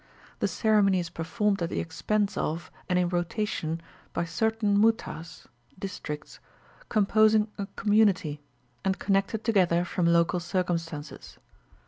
The ceremony is performed at the expense of, and in rotation, by certain mootahs (districts) composing a community, and connected together from local circumstances.